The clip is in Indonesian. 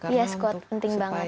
iya squat penting banget